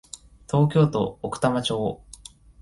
東京都奥多摩町